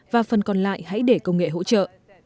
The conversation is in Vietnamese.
và phần còn lại hãy để công nghệ hỗ trợ